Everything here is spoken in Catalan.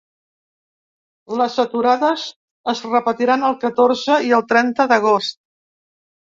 Les aturades es repetiran el catorze i el trenta d’agost.